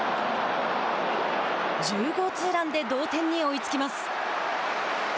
１０号ツーランで同点に追いつきます。